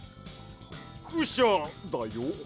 クシャだよ。